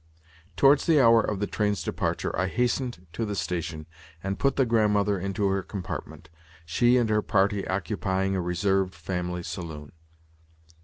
Towards the hour of the train's departure I hastened to the station, and put the Grandmother into her compartment—she and her party occupying a reserved family saloon.